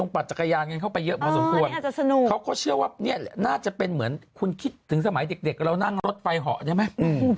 ปั่นจักรยานกันเข้าไปเยอะพอสมควรเขาก็เชื่อว่าเนี่ยน่าจะเป็นเหมือนคุณคิดถึงสมัยเด็กเรานั่งรถไฟเหาะได้ไหม